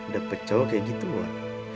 dapet cowok kayak gitu wak